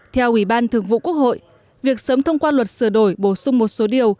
theo ủy ban thường vụ quốc hội việc sớm thông qua luật sửa đổi bổ sung một số điều